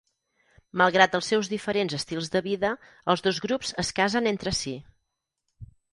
Malgrat els seus diferents estils de vida, els dos grups es casen entre si.